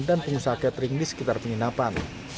pengusaha catering di sekitar penginapan